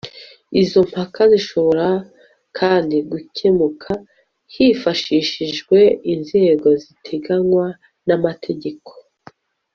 izo mpaka zishobora kandi gukemuka hifashishijwe inzego ziteganywa n'amategeko